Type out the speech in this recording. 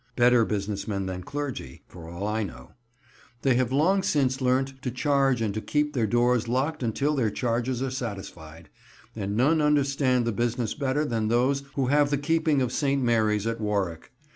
Better business men than clergymen, for all I know. They have long since learnt to charge and to keep their doors locked until their charges are satisfied; and none understand the business better than those who have the keeping of St. Mary's at Warwick.